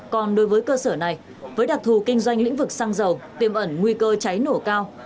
còn đối với cơ sở này với đặc thù kinh doanh lĩnh vực xăng dầu tiêm ẩn nguy cơ cháy nổ cao